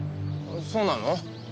そうなの？